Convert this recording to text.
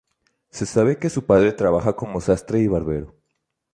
Se sabe que su padre trabajaba como sastre y barbero.